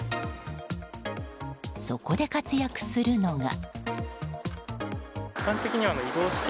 そこで活躍するのが。